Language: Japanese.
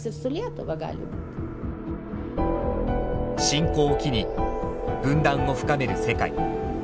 侵攻を機に分断を深める世界。